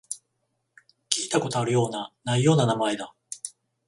聞いたことあるような、ないような名前だ